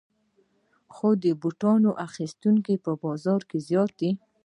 خو د بوټانو اخیستونکي په بازار کې زیات دي